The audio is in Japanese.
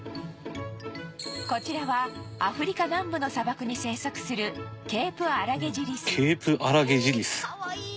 こちらはアフリカ南部の砂漠に生息するええかわいい！